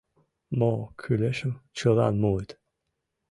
Мо кӱлешым чылан муыт.